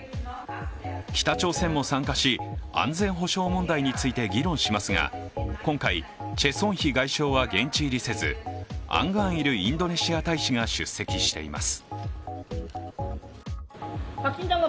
北朝鮮も参加し、安全保障問題について議論しますが、今回チェ・ソンヒ外相は現地入りせずアン・グァン・イルインドネシア大使が出席しています。